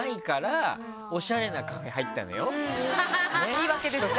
言い訳ですね。